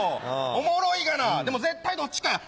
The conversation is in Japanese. おもろいがなでも絶対どっちかや。